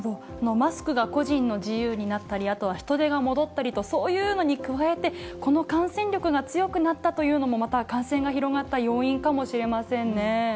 マスクが個人の自由になったり、あとは人出が戻ったりと、そういうのに加えて、この感染力が強くなったというのも、また感染が広がった要因かもしれませんね。